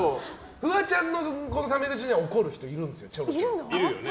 フワちゃんのタメ口には怒る人いるんですよいるよね。